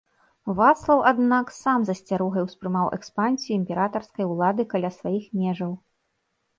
Вацлаў, аднак, сам з асцярогай успрымаў экспансію імператарскай улады каля сваіх межаў.